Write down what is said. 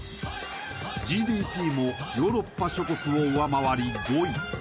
ＧＤＰもヨーロッパ諸国を上回り５位。